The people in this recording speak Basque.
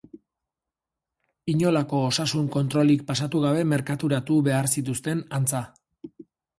Inolako osasun kontrolik pasatu gabe merkaturatu behar zituzten, antza.